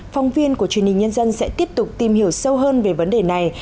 phóng viên của truyền hình nhân dân sẽ tiếp tục tìm hiểu sâu hơn về vấn đề này